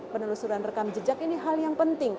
penelusuran rekam jejak ini hal yang penting